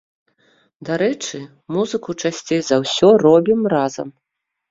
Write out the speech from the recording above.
Дарэчы, музыку часцей за ўсё робім разам.